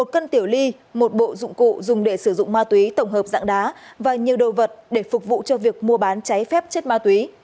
một cân tiểu ly một bộ dụng cụ dùng để sử dụng ma túy tổng hợp dạng đá và nhiều đồ vật để phục vụ cho việc mua bán cháy phép chất ma túy